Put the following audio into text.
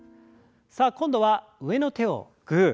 さあ今度は上の手をグー。